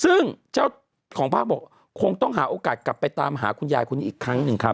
ซึ่งเจ้าของภาคบอกคงต้องหาโอกาสกลับไปตามหาคุณยายคนนี้อีกครั้งหนึ่งครับ